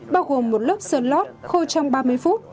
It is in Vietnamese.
bao gồm một lớp sơn lót khô trong ba mươi phút